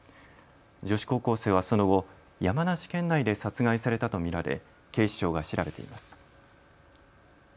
女子高校生はその後、山梨県内で殺害されたと見られ警視庁が調べています。